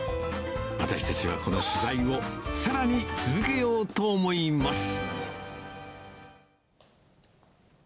私たちはこの取材を、さらに続けようと思います。